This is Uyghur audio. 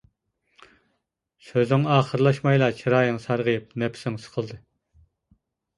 سۆزۈڭ ئاخىرلاشمايلا چىرايىڭ سارغىيىپ، نەپسىڭ سىقىلدى.